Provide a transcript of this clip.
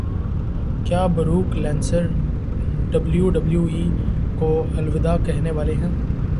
کیا Brock Lesnar W W E کو الوداع کہنے والے ہیں